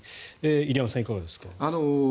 入山さん、いかがですか。